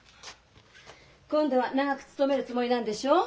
今度は長く勤めるつもりなんでしょう？